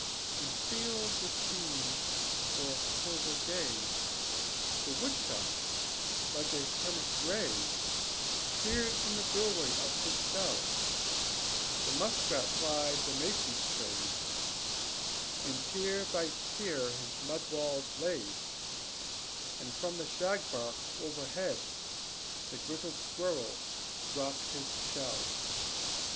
In fields with bean or clover gay, The woodchuck, like a hermit gray, Peered from the doorway of his cell; The muskrat plied the mason's trade, And tier by tier his mud walls laid; And from the shagbark overhead The grizzled squirrel dropped his shell.